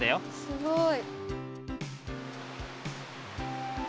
すごい。